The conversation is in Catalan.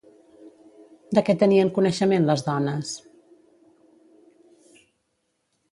De què tenien coneixement les dones?